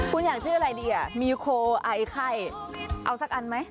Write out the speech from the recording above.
คุณอยากชื่ออะไรดีอ่ะมีโคไอไข้เอาสักอันไหม